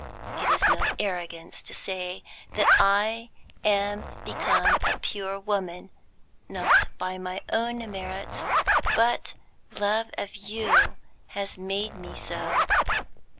It is no arrogance to say that I am become a pure woman; not my own merits, but love of you has made me so.